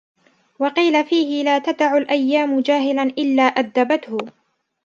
وَقِيلَ فِيهِ لَا تَدَعُ الْأَيَّامُ جَاهِلًا إلَّا أَدَّبَتْهُ